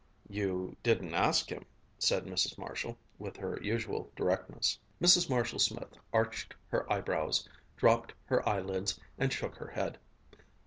"You didn't ask him," said Mrs. Marshall, with her usual directness. Mrs. Marshall Smith arched her eyebrows, dropped her eyelids, and shook her head.